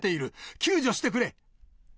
救助してくれ。